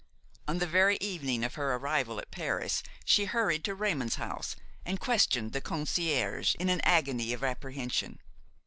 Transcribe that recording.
On the very evening of her arrival at Paris she hurried to Raymon's house and questioned the concierge in an agony of apprehension.